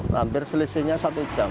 hampir selisihnya satu jam